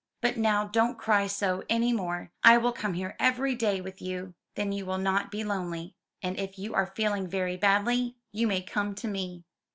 "But now don't cry so any more; I will come here every day with you, then you will not be lonely; and if you are feel ing very badly, you may come to me."